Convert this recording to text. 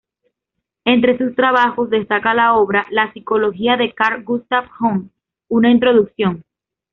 Entre sus trabajos destaca la obra "La psicología de Carl Gustav Jung: una introducción".